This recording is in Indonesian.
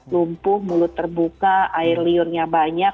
lumpuh mulut terbuka air liurnya banyak